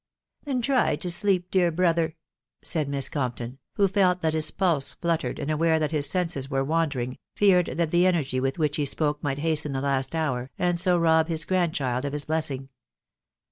.•." Then try to sleep, dear brother !" said Miss Compton, who felt that his pulse fluttered, and, aware that his senses were wandering, feared that the energy with which he spoke might hasten the last hour, and so rob bis grandchild of his blessing.